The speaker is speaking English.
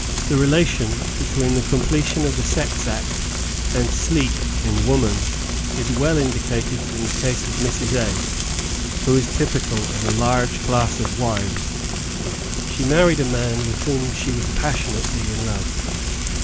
The relation between the completion of the sex ^^}^. "If^P '""^""^^^^'^^^^ indicated in the case of Mrs. A who is typical of a large class of wives. She married a man with whom she was passionately in Iove.